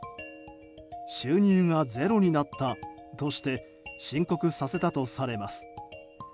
収入がゼロになったとして申告させたとされます。